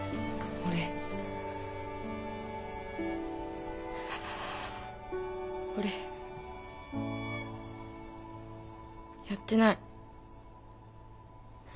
俺やってない。